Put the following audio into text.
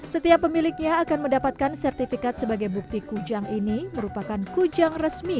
setiap pemiliknya akan mendapatkan sertifikat sebagai bukti kujang ini merupakan kujang resmi